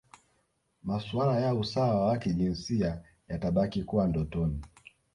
Masuala ya usawa wa kijinsia yatabaki kuwa ndotoni